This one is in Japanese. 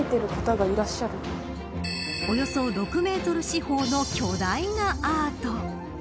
およそ６メートル四方の巨大なアート。